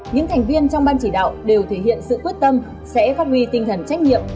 những thành viên trong ban chỉ đạo đều thể hiện sự quyết tâm sẽ phát huy tinh thần trách nhiệm